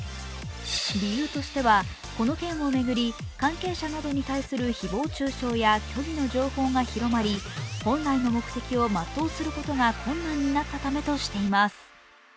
理由としてはこの件を巡り関係者などに対する誹謗中傷や虚偽の情報が広まり本来の目的を全うすることが困難になったためとしています。